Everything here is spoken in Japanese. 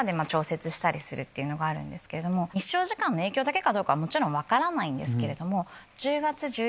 日照時間の影響だけかどうかもちろん分からないんですけど。